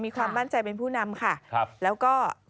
ความมั่นใจเป็นผู้นำค่ะครับแล้วก็